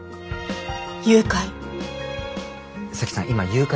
誘拐。